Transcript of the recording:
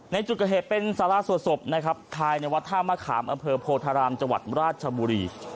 ในจุดกระเทศเป็นสาราสวดศพทายในวัดธามาขามอเภอโพธารามจราชบุรี